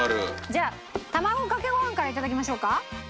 じゃあ卵かけご飯からいただきましょうか？